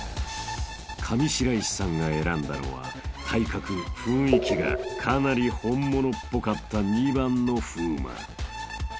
［上白石さんが選んだのは体格雰囲気がかなり本物っぽかった２番の風磨］